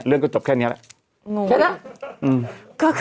เรื่องก็จบแค่นี้แล้ว